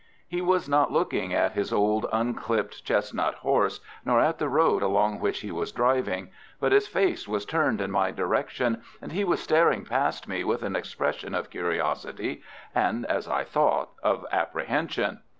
He was not looking at his old, unclipped chestnut horse, nor at the road along which he was driving, but his face was turned in my direction, and he was staring past me with an expression of curiosity and, as I thought, of apprehension.